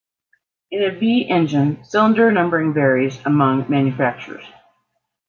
In a V engine, cylinder numbering varies among manufacturers.